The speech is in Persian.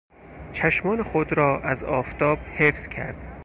چشمان خود را از آفتاب حفظ کرد.